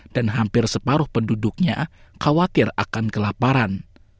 dan hampir separuh penduduknya khawatir akan kelaparan